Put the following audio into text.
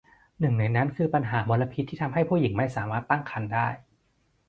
หนึ่งในนั้นคือปัญหามลพิษที่ทำให้ผู้หญิงไม่สามารถตั้งครรภ์ได้